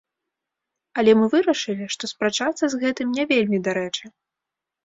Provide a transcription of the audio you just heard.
Але мы вырашылі, што спрачацца з гэтым не вельмі дарэчы.